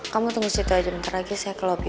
kamu tunggu situ aja ntar lagi saya ke lobby